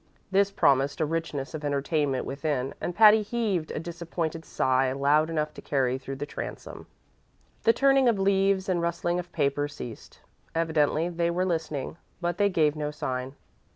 This promised a richness of entertainment within, and Patty heaved a disappointed sigh loud enough to carry through the transom. The turning of leaves and rustling of paper ceased; evidently they were listening, but they gave no sign.